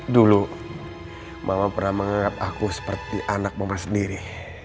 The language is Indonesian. dulu mama pernah menganggap aku seperti anak mama sendiri